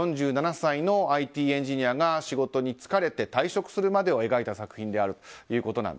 ４７歳のＩＴエンジニアが仕事に疲れて退職するまでを描いた作品であると。